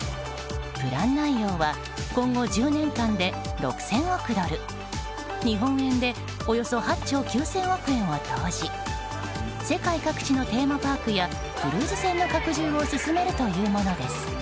プラン内容は今後１０年間で６０００億ドル日本円でおよそ８兆９０００億円を投じ世界各地のテーマパークやクルーズ船の拡充を進めるというものです。